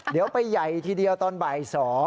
เดี๋ยวไปใหญ่ทีเดียวตอนบ่าย๒